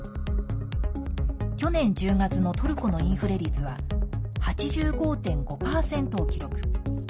去年１０月のトルコのインフレ率は８５．５％を記録。